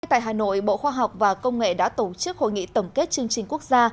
tại hà nội bộ khoa học và công nghệ đã tổ chức hội nghị tổng kết chương trình quốc gia